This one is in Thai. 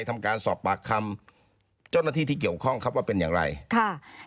ทำการสอบปากคำเจ้าหน้าที่ที่เกี่ยวข้องครับว่าเป็นอย่างไรค่ะ